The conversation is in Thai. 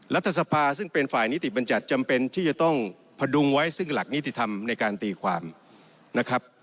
รัฐสภาซึ่งเป็นฝ่ายนิติบัญญัติจำเป็นที่จะต้องพดุงไว้ซึ่งหลักนิติธรรมในการตีความนะครับ